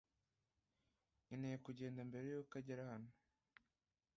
Nkeneye kugenda mbere yuko agera hano